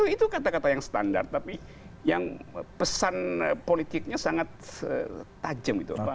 itu kata kata yang standar tapi yang pesan politiknya sangat tajam gitu